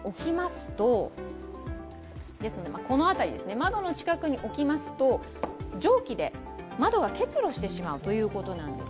窓の近くに置きますと、蒸気で窓が結露してしまうということなんです。